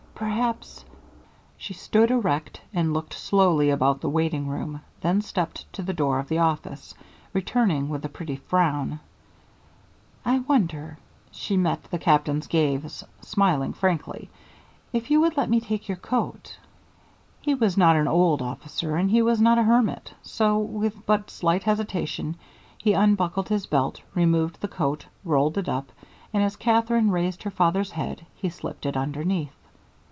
"Perhaps" she stood erect and looked slowly about the waiting room, then stepped to the door of the office, returning with a pretty frown. "I wonder" she met the Captain's gaze smiling frankly "if you would let me take your coat." He was not an old officer, and he was not a hermit, so with but slight hesitation he unbuckled his belt, removed the coat, rolled it up, and as Katherine raised her father's head he slipped it underneath.